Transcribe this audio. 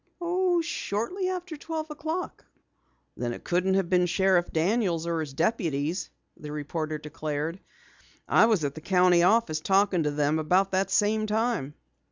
"Shortly after twelve o'clock." "Then it couldn't have been Sheriff Daniels or his deputies," the reporter declared. "I was at the county office talking to them about that same time."